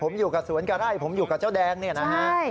ผมอยู่กับสวนกับไร่ผมอยู่กับเจ้าแดงเนี่ยนะฮะ